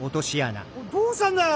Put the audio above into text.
どうしたんだよ！？